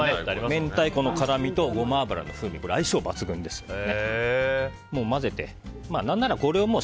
明太子の辛みとゴマ油の風味相性抜群ですので。